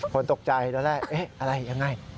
คนตกใจแล้วแหละอะไรอย่างไร